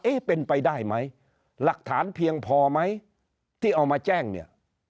เป็นไปได้ไหมหลักฐานเพียงพอไหมที่เอามาแจ้งเนี่ย